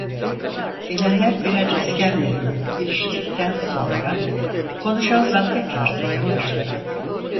Gelenler birer iskemle bulup iliştikten sonra konuşan zat tekrar söze başladı.